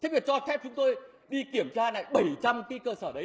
thế mà cho phép chúng tôi đi kiểm tra lại bảy trăm linh cái cơ sở đấy